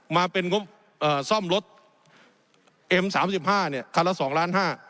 มาเป็นงบเอ่อซ่อมรถเอ็มสามสิบห้าเนี่ยคันละสองล้านห้า